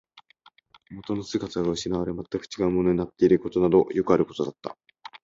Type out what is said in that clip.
元の姿が失われ、全く違うものになっていることなどよくあることだった